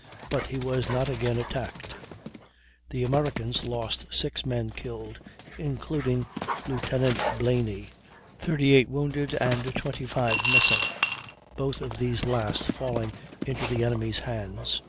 But he was not again attacked. The Americans lost 6 men killed, including Lieutenant Blaeny, 38 wounded, and 25 missing, both of these last falling into the enemy's hands.